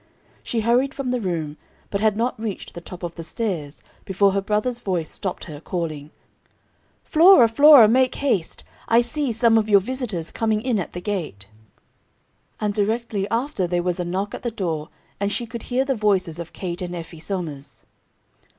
She hurried from the room, but had not reached the top of the stairs before her brother's voice stopped her, calling, "Flora, Flora, make haste, I see some of your visitors coming in at the gate;" and directly after there was a knock at the door, and she could hear the voices of Kate and Effie Somers.